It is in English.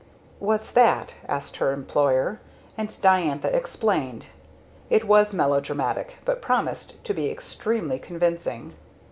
"What's that?" asked her employer; and Diantha explained. It was melodramatic, but promised to be extremely convincing.